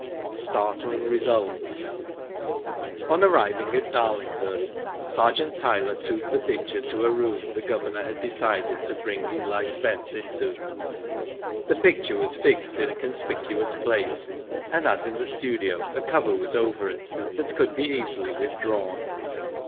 STARTLING RESULTS. On arriving at Darlinghurst, Sergeant Tyler took the picture to a room the Governor had decided to bring Eli Spence into. The picture was fixed in a conspicuous place, and as in the studio a cover was over it that could be easily withdrawn.